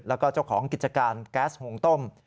แล้วก็เจ้าของกิจการแก๊สหุงต้ม